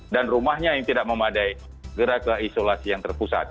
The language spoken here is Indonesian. dan rumahnya yang tidak memadai segera ke isolasi yang terpusat